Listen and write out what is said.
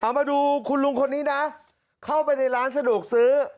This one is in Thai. มาดูคุณลุงคนนี้นะเข้าไปในร้านสะดวกซื้อ